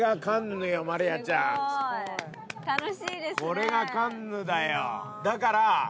これがカンヌだよ！